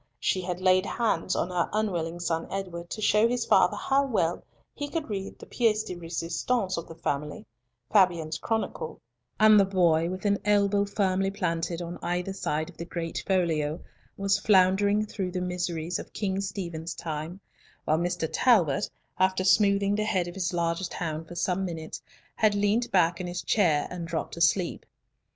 She had laid hands on her unwilling son Edward to show his father how well he could read the piece de resistance of the family, Fabyan's Chronicle; and the boy, with an elbow firmly planted on either side of the great folio, was floundering through the miseries of King Stephen's time; while Mr. Talbot, after smoothing the head of his largest hound for some minutes, had leant back in his chair and dropped asleep.